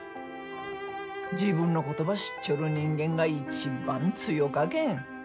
自分のことば知っちょる人間が一番強かけん。